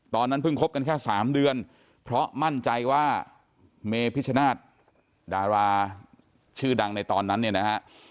ตอนนั้นเพิ่งคบกันแค่๓เดือนเพราะมั่นใจว่าเมพิชชนาธิ์ดาราชื่อดังในตอนนั้นเนี่ยนะฮะ